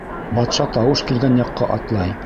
Батша тауыш килгән яҡҡа атлай.